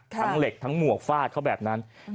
เหล็กทั้งหมวกฟาดเขาแบบนั้น